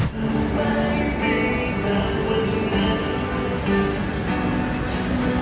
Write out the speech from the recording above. ถ้าไม่มีเธอคนนั้น